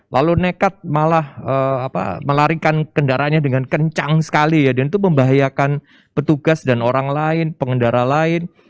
lalu nekat malah melarikan kendaraannya dengan kencang sekali ya dan itu membahayakan petugas dan orang lain pengendara lain